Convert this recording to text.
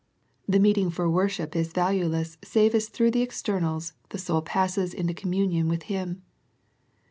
The meeting for worship is valueless save as through the externals, the soul passes into communion with Him.